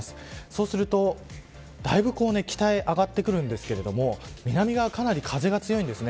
そうすると、だいぶ北へ上がってくるんですけれども南側、かなり風が強いです。